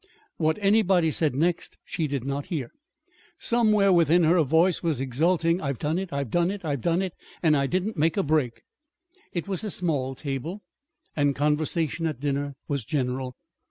What anybody said next she did not hear. Somewhere within her a voice was exulting: "I've done it, I've done it, and I didn't make a break!" It was a small table, and conversation at dinner was general.